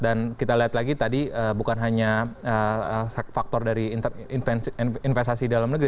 dan kita lihat lagi tadi bukan hanya faktor dari investasi dalam negeri